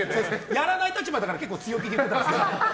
やらない立場だから結構強気で言ってたんですけど。